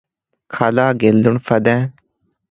ކަލާ ގެއްލުނު ފަދައިން